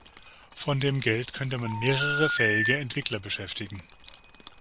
Von dem Geld könnte man mehrere fähige Entwickler beschäftigen.